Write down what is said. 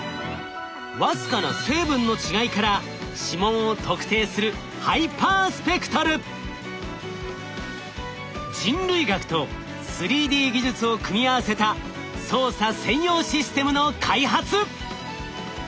僅かな成分の違いから指紋を特定する人類学と３Ｄ技術を組み合わせた捜査専用システムの開発。